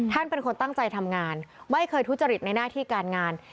เป็นคนตั้งใจทำงานไม่เคยทุจริตในหน้าที่การงาน